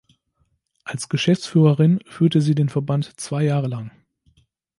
Als Geschäftsführerin führte sie den Verband zwei Jahre lang.